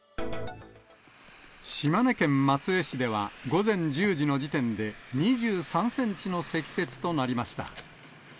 島根県松江市では、午前１０時の時点で、２３センチの積雪となりました。